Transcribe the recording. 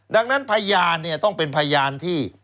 ดังนั้นพยานเนี่ยต้องเป็นพยานที่